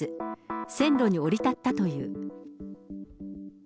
線路に降り立ったという。